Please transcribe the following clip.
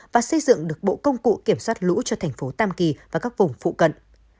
và xây dựng được bộ công cụ kiểm soát lũ cho thành phố tam kỳ và các vùng phụ cận